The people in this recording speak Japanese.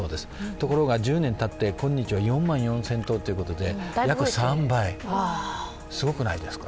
ところが１０年たってこんにちは４万４０００頭ということで約３倍、すごくないですか？